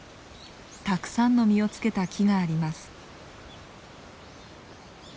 たくさんの実をつけた木があります。